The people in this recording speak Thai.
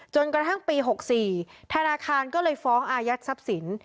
จนกระทั่งปี๖๔ธนาคารก็เลยฟ้องอายัดทรัพย์สิน